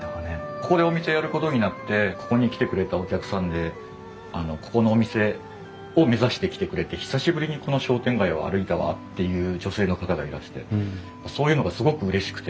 ここでお店やることになってここに来てくれたお客さんでここのお店を目指して来てくれて「久しぶりにこの商店街を歩いたわ」っていう女性の方がいらしてそういうのがすごくうれしくて。